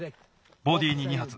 ボディーに２はつ。